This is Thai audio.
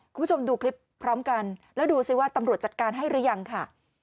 คุณผู้ชมดูคลิปพร้อมกันแล้วดูสิว่าตำรวจจัดการให้หรือยังค่ะ